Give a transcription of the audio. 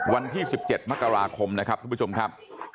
วันที่๑๗มกราคมนะครับทุกผู้ชมครับ